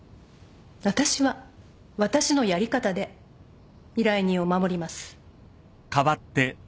私は私のやり方で依頼人を守ります。